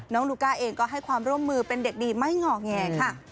น้องลูกก้าเองก็ให้ความร่วมมือเป็นเด็กดีไม่หงอกแง